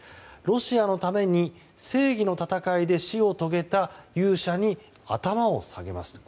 ロシアのために正義の戦いで死を遂げた勇者に頭を下げますと。